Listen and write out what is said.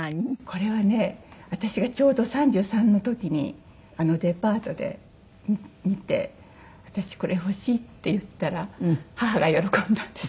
これはね私がちょうど３３の時にデパートで見て「私これ欲しい」って言ったら母が喜んだんです。